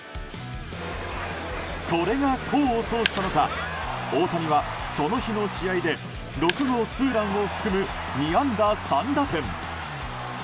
これが功を奏したのか大谷は、その日の試合で６号ツーランを含む２安打３打点。